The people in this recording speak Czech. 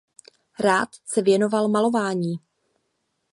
Rád se věnoval malování.